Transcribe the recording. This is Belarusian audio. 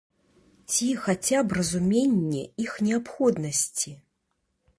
Ці хаця б разуменне іх неабходнасці?